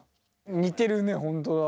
似てるね本当だ。